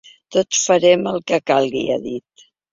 Tots farem el que calgui, ha dit.